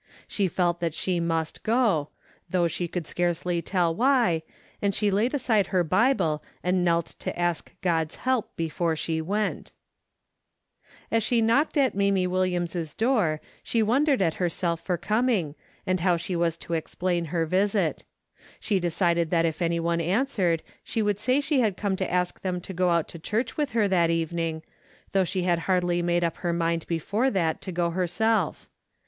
She felt that she must go, though she could scarcely tell why, and she laid aside her Bible and knelt to ask God's help before she went. DAILY BATE:^ 273 As she knocked at Mamie Williams' door she wondered at herself for coming, and how she was to explain her visit. She decided that if any one answered she would say she had come to ask them to go out to church with her that evening, though she had hardly made up her mind before that to go herself.